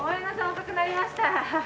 遅くなりました。